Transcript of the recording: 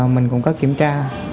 mình cũng có kiểm tra